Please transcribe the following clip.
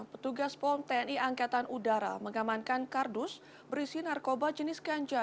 petugas pom tni angkatan udara mengamankan kardus berisi narkoba jenis ganja